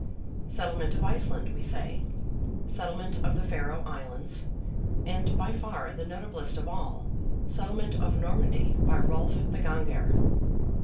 Settlement of Iceland, we say; settlement of the Faroe Islands, and, by far the notablest of all, settlement of Normandy by Rolf the Ganger (A.